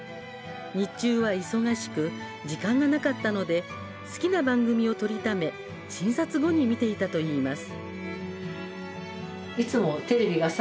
日中は忙しく時間がなかったので好きな番組をとりため診察後に見ていたといいます。